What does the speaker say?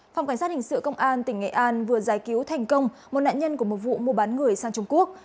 phòng cảnh sát hình sự công an tỉnh nghệ an vừa giải cứu thành công một nạn nhân của một vụ mua bán người sang trung quốc